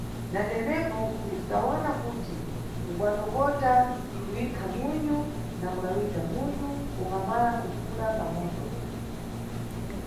Natepo, usawona kuti wa tokokota, kuyikha munyu na kulayidza munyu ungamala nkuphula pa motopo.